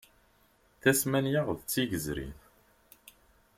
Tasmanya d tigzrit.